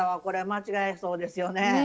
これ間違いそうですよね。